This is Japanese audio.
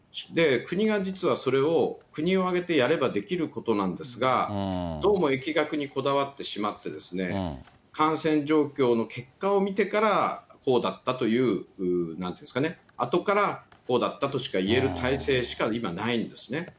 国が実はそれを国を挙げてやればできることなんですが、どうも疫学にこだわってしまって、感染状況の結果を見てから、こうだったという、なんていうんですかね、あとからこうだったとしか言える体制しか今、ないんですね。